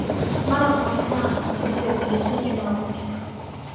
Mara kuandaa wanamuziki wapiga picha na wabunifu